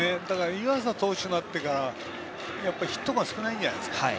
湯浅投手になってからヒットが少ないんじゃないんですか。